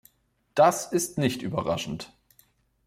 Das ist nicht überraschend!